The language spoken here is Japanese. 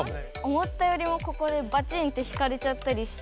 思ったよりもここでバチンって引かれちゃったりして。